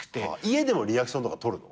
家でもリアクションとか取るの？